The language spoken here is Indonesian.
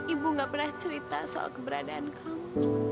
ibu gak pernah cerita soal keberadaan kamu